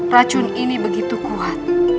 racun ini begitu kuat